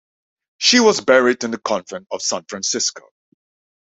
She was buried in the Convent of San Francisco.